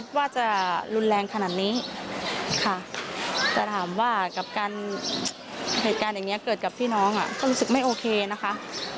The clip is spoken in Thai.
แต่ถามว่ากับเหตุการณ์อย่างนี้เกิดกับพี่น้องก็รู้สึกไม่โอเคนะคะ